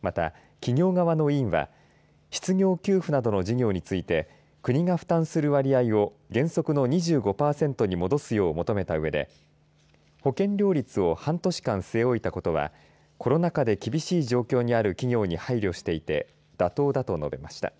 また企業側の委員は失業給付などの事業について国が負担する割合を原則の２５パーセントに戻すよう求めたうえで保険料率を半年間据え置いたことはコロナ禍で厳しい状況にある企業に配慮していて妥当だ。と述べました。